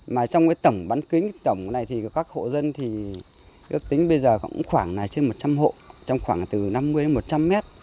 mà trong cái tổng bán kính tổng này thì các hộ dân thì ước tính bây giờ khoảng trên một trăm linh hộ trong khoảng từ năm mươi đến một trăm linh mét